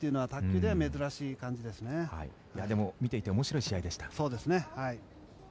でも見ていて面白い試合でした。